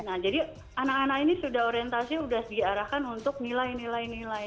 nah jadi anak anak ini sudah orientasi sudah diarahkan untuk nilai nilai